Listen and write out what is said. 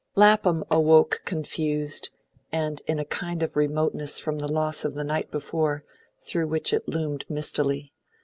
LAPHAM awoke confused, and in a kind of remoteness from the loss of the night before, through which it loomed mistily.